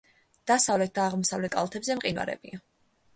დასავლეთ და აღმოსავლეთ კალთებზე მყინვარებია.